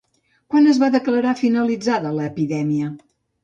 Quan es va declarar finalitzada l'epidèmia?